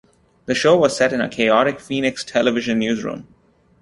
The show was set in a chaotic Phoenix television newsroom.